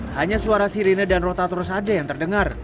hanya suara sirine dan rotatro saja yang terdengar